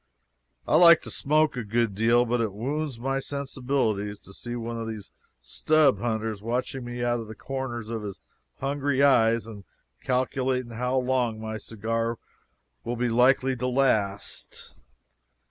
I like to smoke a good deal, but it wounds my sensibilities to see one of these stub hunters watching me out of the corners of his hungry eyes and calculating how long my cigar will be likely to last.